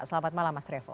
selamat malam mas revo